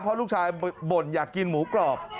เพราะลูกชายบ่นอยากกินหมูกรอบ